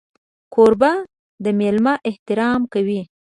کوربه د مېلمه احترام کوي.